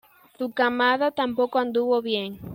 Su camada tampoco anduvo bien.